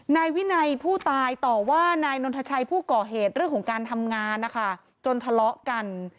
นายวินัยผู้ตายต่อว่านายนนทชัยผู้ก่อเหตุเรื่องของการทำงานนะคะจนทะเลาะกัน